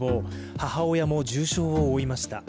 母親も重傷を負いました。